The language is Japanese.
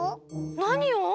なにを？